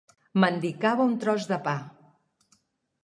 Mendicava un tros de pa.